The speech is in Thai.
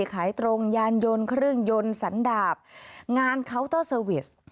ขายตรงยานยนต์เครื่องยนต์สันดาบงานเคาน์เตอร์เซอร์วิส